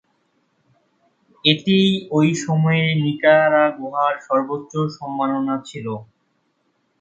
এটিই ঐ সময়ে নিকারাগুয়ার সর্বোচ্চ সম্মাননা ছিল।